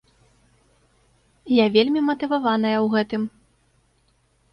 Я вельмі матываваная ў гэтым.